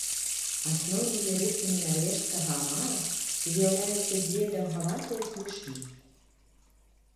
Асноўнымі рысамі нарвежскага амара з'яўляюцца дзве даўгаватыя клюшні.